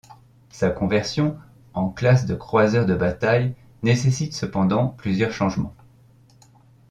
Sa conversion en classe de croiseurs de bataille nécessite cependant plusieurs changements.